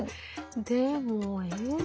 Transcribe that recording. でもえっ？